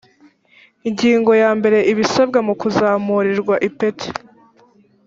ingingo ya mbere ibisabwa mu kuzamurirwa ipeti